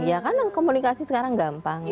ya karena komunikasi sekarang gampang